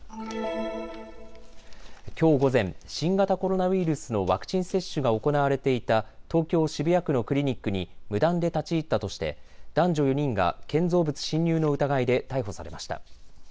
きょう午前、新型コロナウイルスのワクチン接種が行われていた東京渋谷区のクリニックに無断で立ち入ったとして男女４人が建造物侵入の疑いで逮捕されました。